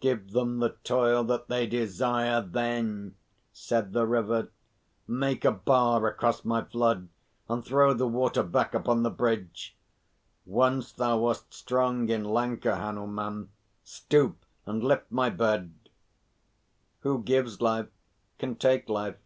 "Give them the toil that they desire, then," said the River. "Make a bar across my flood and throw the water back upon the bridge. Once thou wast strong in Lanka, Hanuman. Stoop and lift my bed." "Who gives life can take life."